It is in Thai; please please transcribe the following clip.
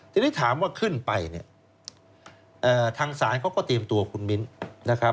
ทีนี้ถามว่าขึ้นไปเนี่ยทางศาลเขาก็เตรียมตัวคุณมิ้นนะครับ